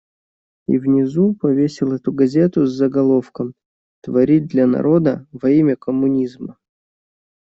И внизу повесил эту газету с заголовком: «Творить для народа, во имя коммунизма».